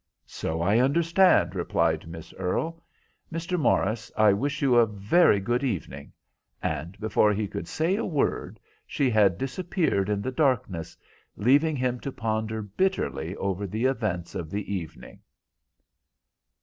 "So I understand," replied Miss Earle. "Mr. Morris, I wish you a very good evening." And before he could say a word she had disappeared in the darkness, leaving him to ponder bitterly over the events of the evening.